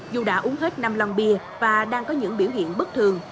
dù đã uống hết năm lòng bia và đang có những biểu hiện bất thường